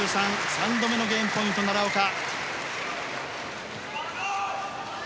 ３度目のゲームポイント奈良岡。